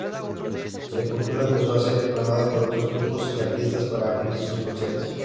Sepultura empezó a ser reclamada por otros grupos y artistas para abrir sus conciertos.